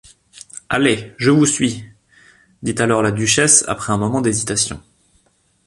Allez! je vous suis, dit alors la duchesse après un moment d’hésitation.